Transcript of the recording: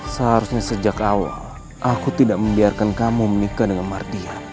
seharusnya sejak awal aku tidak membiarkan kamu menikah dengan mardia